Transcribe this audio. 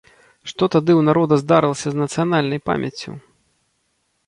Што тады ў народа здарылася з нацыянальнай памяццю?